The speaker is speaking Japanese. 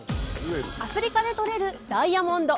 アフリカでとれるダイヤモンド